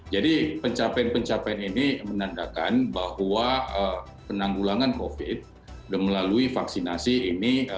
jadi pencapaian pencapaian ini menandakan bahwa penanggulangan covid melalui vaksinasi ini